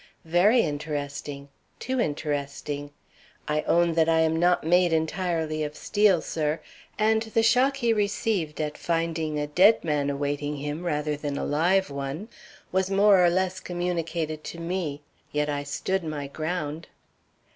"Very interesting! Too interesting! I own that I am not made entirely of steel, sir, and the shock he received at finding a dead man awaiting him, instead of a live one, was more or less communicated to me. Yet I stood my ground."